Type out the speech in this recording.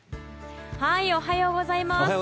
おはようございます。